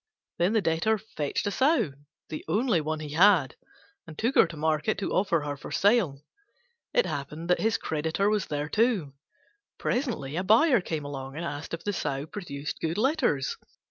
Then the Debtor fetched a Sow the only one he had and took her to market to offer her for sale. It happened that his creditor was there too. Presently a buyer came along and asked if the Sow produced good litters.